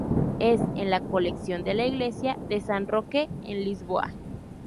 Es en la colección de la Iglesia de San Roque, en Lisboa.